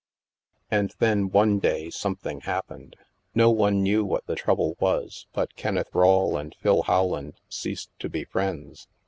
And then, one day, something happened. No one STILL WATERS 93 knew what the trouble was, but Kenneth Rawle and Phil Howland ceased to be friends.